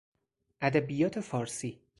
ادبیات فارسی